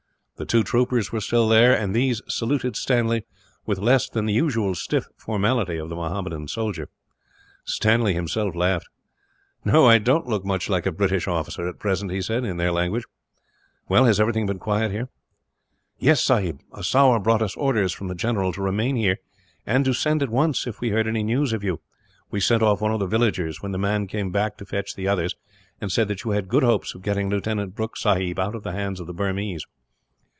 The two troopers were still there; and these saluted Stanley, with less than the usual stiff formality of the Mohammedan soldier. He himself laughed. "I don't look much like a British officer, at present," he said, in their language. "Well, has everything been quiet here?" "Yes, sahib. A sowar brought us orders, from the general, to remain here; and to send at once, if we heard any news of you. We sent off one of the villagers, when the man came back to fetch the others, and said that you had good hopes of getting Lieutenant Brooke sahib out of the hands of the Burmese."